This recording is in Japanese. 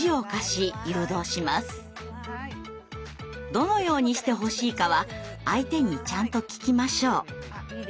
どのようにしてほしいかは相手にちゃんと聞きましょう。